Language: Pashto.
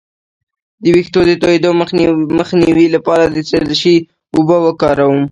د ویښتو د تویدو مخنیوي لپاره د څه شي اوبه وکاروم؟